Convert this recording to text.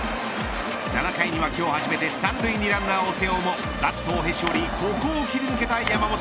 ７回には今日初めて三塁にランナーを背負うもバットをへし折りここを切り抜けた山本。